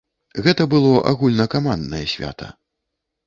Гэта было агульнакаманднае свята.